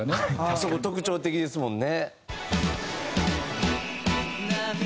そこ特徴的ですもんね。